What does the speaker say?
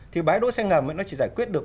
thì bãi đỗ xe ngầm ấy nó chỉ giải quyết được